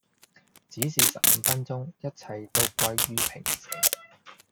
只是十五分鐘一切都歸於平靜